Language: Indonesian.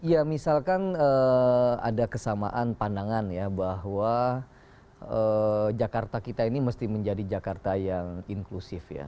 ya misalkan ada kesamaan pandangan ya bahwa jakarta kita ini mesti menjadi jakarta yang inklusif ya